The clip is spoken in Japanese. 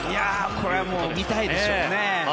これは見たいですよね。